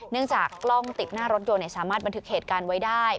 จากกล้องติดหน้ารถยนต์สามารถบันทึกเหตุการณ์ไว้ได้